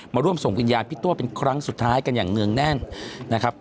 ร่วมส่งวิญญาณพี่ตัวเป็นครั้งสุดท้ายกันอย่างเนื่องแน่นนะครับ